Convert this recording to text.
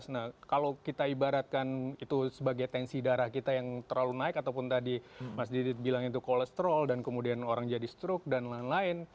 nah kalau kita ibaratkan itu sebagai tensi darah kita yang terlalu naik ataupun tadi mas didit bilang itu kolesterol dan kemudian orang jadi stroke dan lain lain